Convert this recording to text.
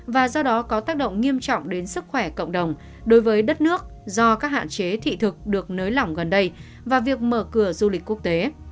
và do đó có tác động nghiêm trọng đến sức khỏe cộng đồng đối với đất nước do các hạn chế thị thực được nới lỏng gần đây và việc mở cửa du lịch quốc tế